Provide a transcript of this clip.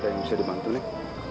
ada yang bisa dibantu nek